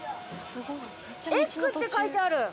エッグって書いてある。